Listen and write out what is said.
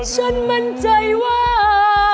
ฉันมั่นใจว่า